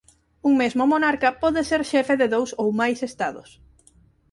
Un mesmo monarca pode ser xefe de dous ou máis Estados.